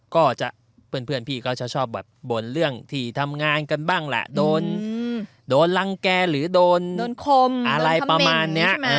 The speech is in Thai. ก็จะเพื่อนพี่ก็จะชอบแบบบ่นเรื่องที่ทำงานกันบ้างแหละโดนรังแก่หรือโดนคมอะไรประมาณนี้